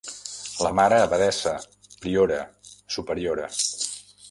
La mare abadessa, priora, superiora.